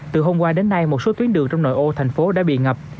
từ hôm qua đến nay một số tuyến đường trong nội ô thành phố đã bị ngập